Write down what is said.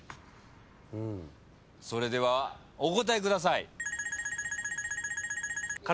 それではお答えください。